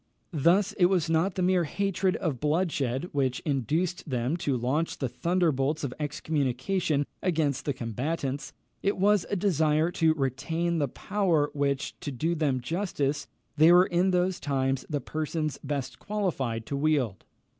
Thus it was not the mere hatred of bloodshed which induced them to launch the thunderbolts of excommunication against the combatants: it was a desire to retain the power, which, to do them justice, they were in those times the persons best qualified to wield.